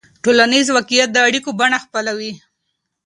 ټولنیز واقعیت د اړیکو بڼه خپلوي.